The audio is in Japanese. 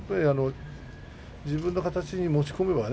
自分の形に持ち込めばいい。